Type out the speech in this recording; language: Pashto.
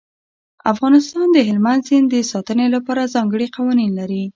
افغانستان د هلمند سیند د ساتنې لپاره ځانګړي قوانین لري.